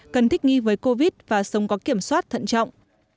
cần thích nghi với covid và sống có kiểm soát thận trọng